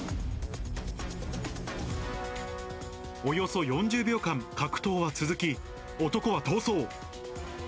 およそ４０秒間格闘は続き、男は逃走。